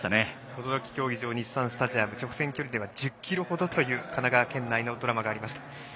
等々力競技場日産スタジアム直線距離では１０ｋｍほどという神奈川県内でのドラマがありました。